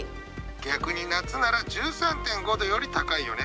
逆に夏なら１３．５度より高いよね。